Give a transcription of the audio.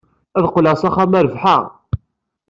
Ad d-qqleɣ s axxam-a rebḥeɣ!